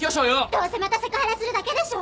どうせまたセクハラするだけでしょ！？